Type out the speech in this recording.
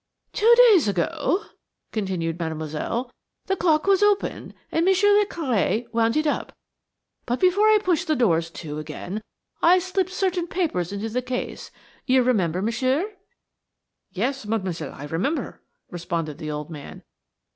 "Two days ago," continued Mademoiselle, "the clock was open, and Monsieur le Curé wound it up, but before I pushed the doors to again I slipped certain papers into the case–you remember, Monsieur?" "Yes, Mademoiselle, I remember," responded the old man.